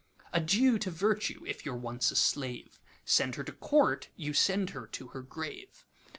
'Adieu to Virtue, if you 're once a slave:Send her to Court, you send her to her grave.